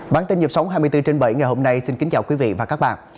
bản tin nhịp sống hai mươi bốn trên bảy ngày hôm nay xin kính chào quý vị và các bạn